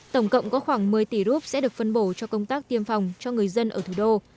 tổng cộng có khoảng một mươi tỷ rup sẽ được phân bổ cho công tác tiêm phòng cho người dân ở thủ đô